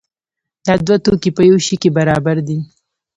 دا دوه توکي په یو شي کې برابر دي.